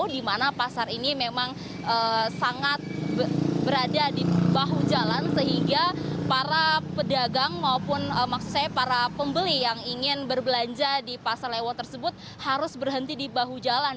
di mana pasar ini memang sangat berada di bahu jalan sehingga para pedagang maupun maksud saya para pembeli yang ingin berbelanja di pasar lewo tersebut harus berhenti di bahu jalan